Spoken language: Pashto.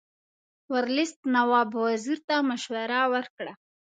ورلسټ نواب وزیر ته مشوره ورکړه.